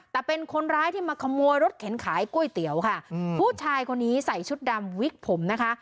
แต่เป็นคนร้ายที่มาขโมยรถเข็นขายก๋วยเตี๋ยวค่ะอืมผู้ชายคนนี้ใส่ชุดดำวิกผมนะคะ